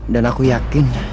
dan aku yakin